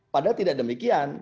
padahal tidak demikian